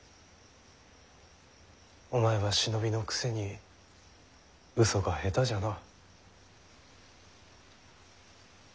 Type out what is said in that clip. お前は忍びのくせに嘘が下手じゃな。